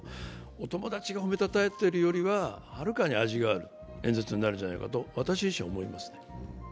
お友達が褒めたたえているよりははるかに味がある演説になるんじゃないかと思いますね。